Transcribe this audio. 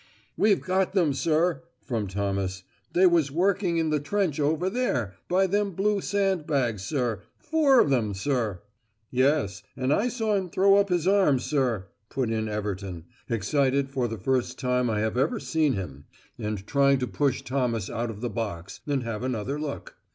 "We've got them, sir," from 75 Thomas; "they was working in the trench over there by all them blue sand bags, sir four of them, sir " "Yes, and I saw him throw up his arms, sir," put in Everton, excited for the first time I have ever seen him, and trying to push Thomas out of the box, and have another look.